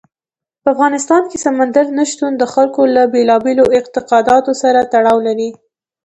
په افغانستان کې سمندر نه شتون د خلکو له بېلابېلو اعتقاداتو سره تړاو لري.